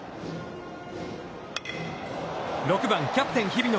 ６番キャプテン日比野。